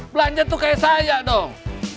belanja tuh kayak saya dong